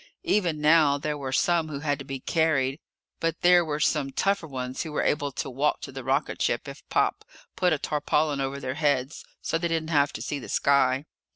Even now there were some who had to be carried, but there were some tougher ones who were able to walk to the rocketship if Pop put a tarpaulin over their heads so they didn't have to see the sky.